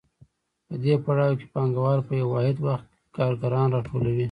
په دې پړاو کې پانګوال په یو واحد وخت کارګران راټولوي